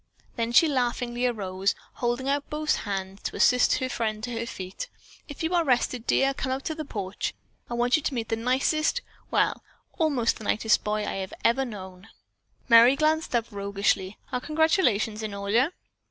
Then she laughingly arose, holding out both hands to assist her friend to her feet. "If you are rested, dear, come out on the porch. I want you to meet the nicest, well, almost the nicest boy I have ever known." Merry glanced up roguishly. "Are congratulations in order?"